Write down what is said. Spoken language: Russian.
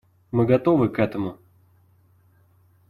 Мы готовы к этому.